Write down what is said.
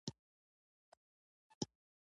زړه مي ټوټي ټوټي شو